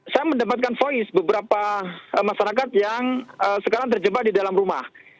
saya mendapatkan voice beberapa masyarakat yang sekarang terjebak di dalam rumah